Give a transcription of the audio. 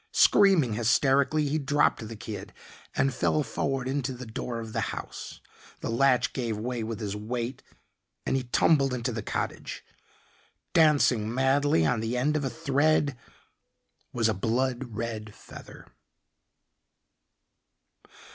Screaming hysterically he dropped the kid and fell forward into the door of the house. The latch gave way with his weight and he tumbled into the cottage. Dancing madly on the end of a thread was a blood red feather.